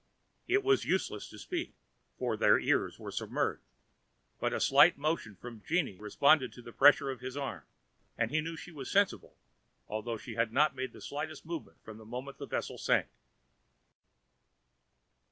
It was useless to speak, for their ears were submerged; but a slight motion from Jeanne responded to a pressure of his arm, and he knew that she was sensible, although she had not made the slightest motion from the moment the vessel sank.